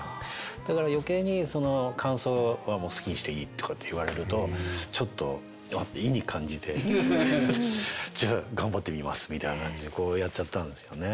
だから余計にその間奏は好きにしていいとかって言われるとちょっと「いい」に感じてじゃあ頑張ってみますみたいな感じにこうやっちゃったんですよね。